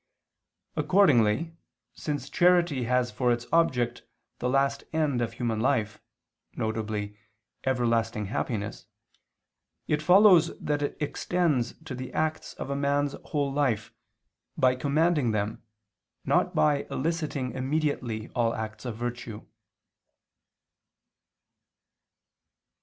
Accordingly since charity has for its object the last end of human life, viz. everlasting happiness, it follows that it extends to the acts of a man's whole life, by commanding them, not by eliciting immediately all acts of virtue.